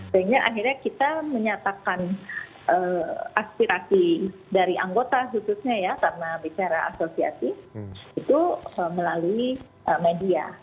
sehingga akhirnya kita menyatakan aspirasi dari anggota khususnya ya karena bicara asosiasi itu melalui media